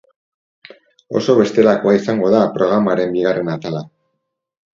Oso bestelakoa izango da programaren bigarren atala.